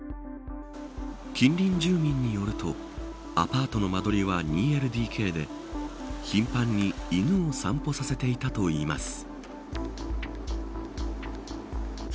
近隣住民によるとアパートの間取りは、２ＬＤＫで頻繁に犬を散歩させていたといいます。